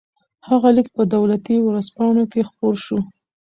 هغه لیک په دولتي ورځپاڼو کې خپور شو.